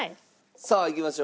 さあいきましょう。